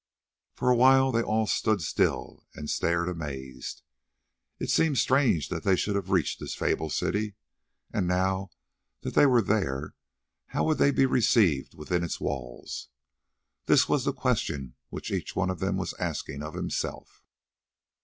For a while they all stood still and stared amazed. It seemed strange that they should have reached this fabled city; and now that they were there, how would they be received within its walls? This was the question which each one of them was asking of himself.